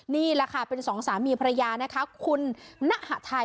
นี่แหละค่ะเป็นสองสามีภรรยานะคะคุณณหาไทย